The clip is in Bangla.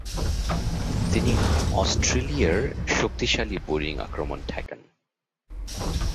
তিনি অস্ট্রেলিয়ার শক্তিশালী বোলিং আক্রমণ ঠেকান।